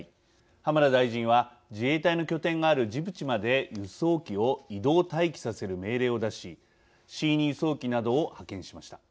浜田大臣は自衛隊の拠点があるジブチまで輸送機を移動・待機させる命令を出しＣ２輸送機などを派遣しました。